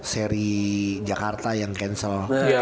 seri jakarta yang cancel